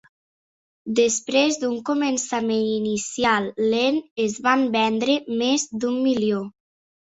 Després d'un començament inicial lent, es van vendre més d'un milió.